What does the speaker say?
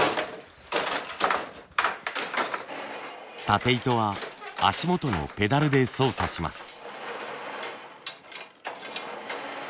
たて糸は足元のペダルで操作します。